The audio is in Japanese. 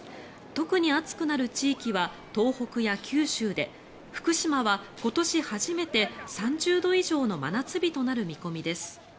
特に暑くなる地域は東北や九州で福島は今年初めて３０度以上の真夏日となる見込みです。